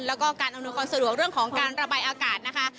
แล้วก็การอำนวยความสะดวกเรื่องของการระบายอากาศนะคะ